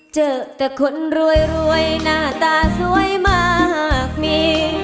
เจอแต่คนรวยหน้าตาสวยมากมี